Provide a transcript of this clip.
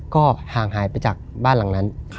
ก็ห่างหายไปจากบ้านหลังนั้น